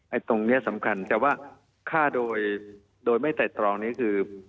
ตรงนี้สำคัญแต่ว่าฆ่าโดยไม่ไต่ตรองนี่คือ